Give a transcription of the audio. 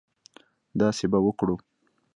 داسې به وکړو.